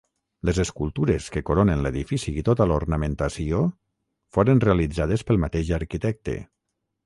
Les escultures que coronen l'edifici i tota l'ornamentació foren realitzades pel mateix arquitecte.